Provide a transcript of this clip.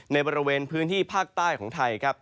ในบริเวณพื้นที่ภาคใต้ของไทยครับ